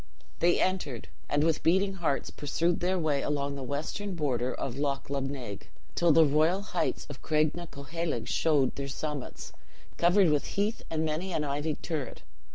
They entered, and with beating hearts pursued their way along the western border of Loch Lubnaig, till the royal heights of Craignacoheilg showed their summits, covered with heath and many an ivied turret.